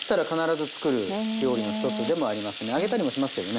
揚げたりもしますけどね。